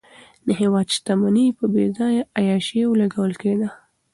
د هېواد شتمني په بېځایه عیاشیو لګول کېده.